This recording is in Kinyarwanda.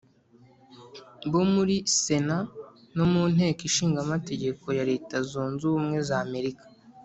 bo muri sénat no mu nteko ishinga amategeko ya leta zunze ubumwe z'amerika